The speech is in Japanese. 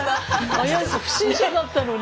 怪しい不審者だったのに。